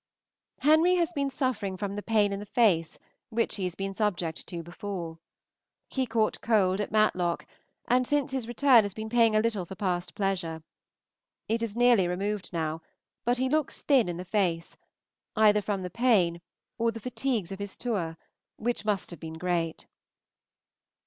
Henry has been suffering from the pain in the face which he has been subject to before. He caught cold at Matlock, and since his return has been paying a little for past pleasure. It is nearly removed now, but he looks thin in the face, either from the pain or the fatigues of his tour, which must have been great.